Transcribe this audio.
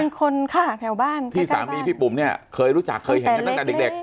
เป็นคนฆ่าแถวบ้านพี่สามีพี่ปุ๋มเนี่ยเคยรู้จักเคยเห็นกันตั้งแต่เด็กเด็ก